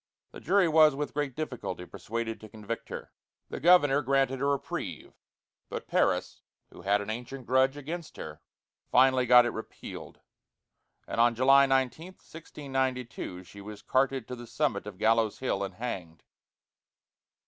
The jury was with great difficulty persuaded to convict her; the governor granted a reprieve, but Parris, who had an ancient grudge against her, finally got it repealed, and on July 19, 1692, she was carted to the summit of Gallows Hill and hanged.